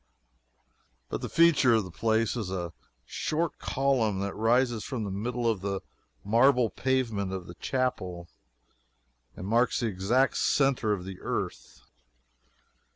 But the feature of the place is a short column that rises from the middle of the marble pavement of the chapel, and marks the exact centre of the earth.